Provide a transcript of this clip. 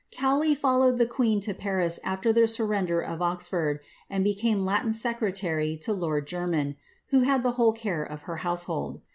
Cowley followed the queen to Paris after the surrende Oxford, and became Latin secretary to lord Jermyn, who had the w care of her household.